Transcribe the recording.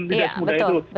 tidak semudah itu